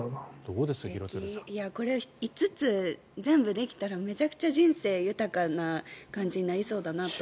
これ５つ全部できたらめちゃくちゃ人生が豊かな感じになりそうだなと。